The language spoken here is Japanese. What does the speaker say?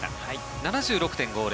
７６．５０。